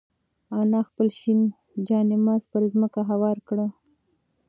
انا خپل شین جاینماز پر ځمکه هوار کړ.